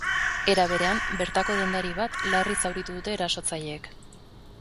Era berean, bertako dendari bat larri zauritu dute erasotzaileek.